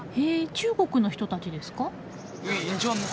中国の人たちですか？